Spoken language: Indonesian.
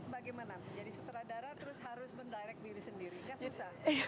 bagaimana jadi setradara terus harus mendirect diri sendiri nggak susah